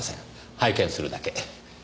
拝見するだけ。